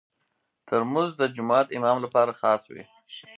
ترموز د جومات امام لپاره خاص وي.